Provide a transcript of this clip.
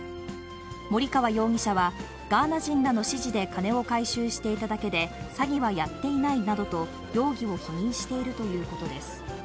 森川容疑者は、ガーナ人らの指示で金を回収していただけで、詐欺はやっていないなどと、容疑を否認しているということです。